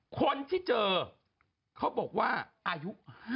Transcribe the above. คนที่เจอเขาบอกว่าอายุ๕๐